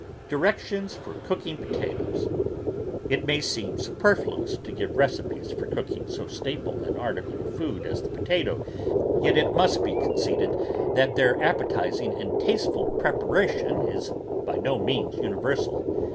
DIRECTIONS FOR COOKING POTATOES It may seem superfluous to give recipes for cooking so staple an article of food as the potato ; yet it must be conceded that their appetising and tasteful preparation is by no means universal.